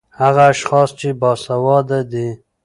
ـ هغه اشخاص چې باسېواده دي